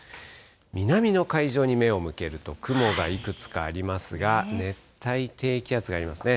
南の海上に目を向けると、雲がいくつかありますが、熱帯低気圧がありますね。